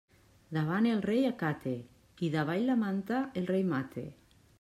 Davant el rei acate i davall la manta el rei mate.